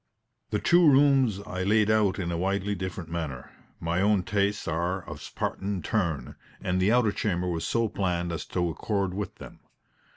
The two rooms I laid out in a widely different manner my own tastes are of a Spartan turn, and the outer chamber was so planned as to accord with them.